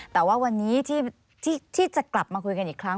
แต่ว่าวันนี้ที่จะกลับมาคุยกันอีกครั้ง